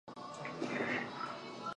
担任湖南秦希燕律师事务所主任。